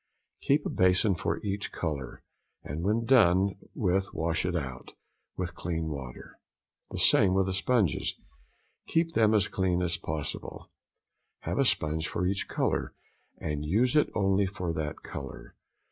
Keep a bason for each colour, and when done with wash it out with clean water. The same with the sponges: keep them as clean as possible; have a sponge for each colour, and use it only for that colour.